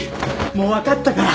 もう分かったから！